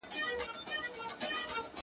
خلکو مړي ښخول په هدیرو کي!.